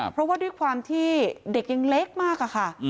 เพราะว่าด้วยความที่เด็กยังเล็กมากอะค่ะ